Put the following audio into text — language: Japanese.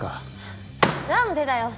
何でだよ！